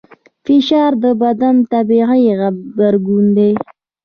فشار د بدن طبیعي غبرګون دی.